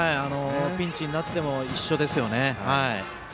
ピンチになっても一緒ですよね。